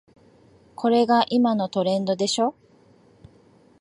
これが今のトレンドでしょ